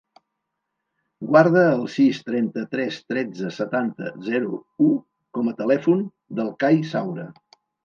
Guarda el sis, trenta-tres, tretze, setanta, zero, u com a telèfon del Cai Saura.